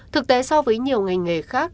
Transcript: thực tế so với nhiều ngành nghề khác